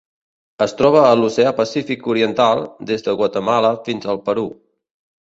Es troba a l'Oceà Pacífic oriental: des de Guatemala fins al Perú.